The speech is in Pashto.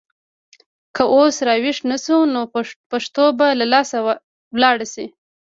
که اوس راویښ نه شو نو پښتو به له لاسه لاړه شي.